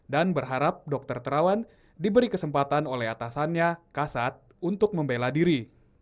dan berharap dokter terawan diberi kesempatan oleh atasannya kasat untuk membela diri